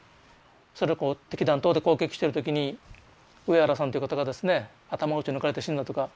それを擲弾筒で攻撃してる時に上原さんっていう方がですね頭を撃ち抜かれて死んだとか。